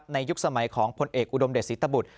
ยุคสมัยของพลเอกอุดมเดชศรีตบุตร